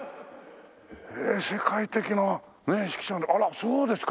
世界的な指揮者であらそうですか。